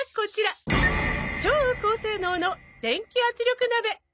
超高性能の電気圧力鍋！